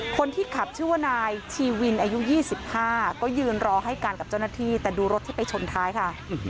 คนที่ขับชื่อว่านายชีวินอายุ๒๕ก็ยืนรอให้กันกับเจ้าหน้าที่แต่ดูรถที่ไปชนท้ายค่ะ